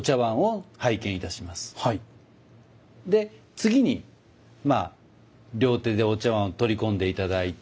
で次に両手でお茶碗を取り込んで頂いて。